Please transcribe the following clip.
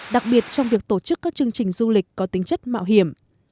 đặc biệt trong việc tổ chức các chương trình du lịch có tính chất mạo hiểm